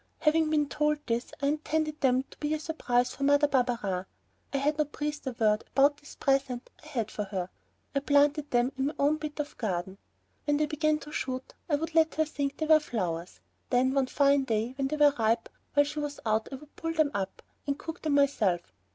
Having been told this, I intended them to be a surprise for Mother Barberin. I had not breathed a word about this present I had for her. I planted them in my own bit of garden. When they began to shoot I would let her think that they were flowers, then one fine day when they were ripe, while she was out, I would pull them up and cook them myself.